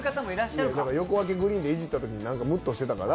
横分けグリーンでいじったときムッとしてたから。